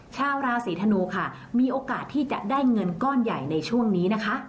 ชาวราศีธนูค่ะมีโอกาสที่จะได้เงินก้อนใหญ่ในช่วงนี้นะคะ